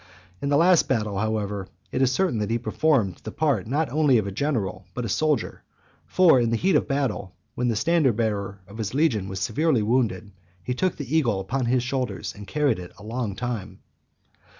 In the last battle, however, it is certain that he performed the part not only of a general, but a soldier; for, in the heat of the battle; when the standard bearer of his legion was severely wounded, he took the eagle upon his shoulders, and carried it a long time.